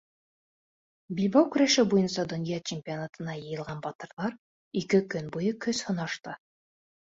Билбау көрәше буйынса донъя чемпионатына йыйылған батырҙар ике көн буйы көс һынашты.